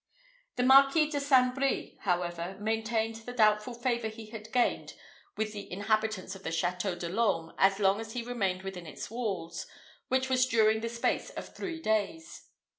The Marquis de St. Brie, however, maintained the doubtful favour he had gained with the inhabitants of the Château de l'Orme as long as he remained within its walls, which was during the space of three days.